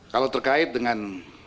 kalau terkait dengan